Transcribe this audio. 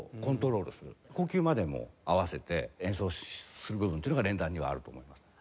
呼吸までも合わせて演奏する部分っていうのが連弾にはあると思います。